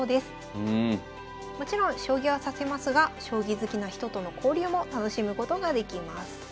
もちろん将棋は指せますが将棋好きな人との交流も楽しむことができます。